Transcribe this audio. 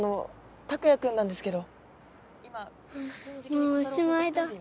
もうおしまいだ。